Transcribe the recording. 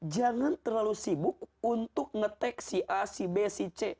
jangan terlalu sibuk untuk ngetek si a si b si c